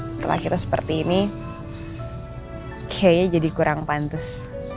setelah kita seperti ini kayaknya jadi kurang pantes